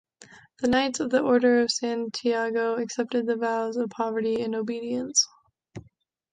The knights of the Order of Santiago accepted the vows of poverty and obedience.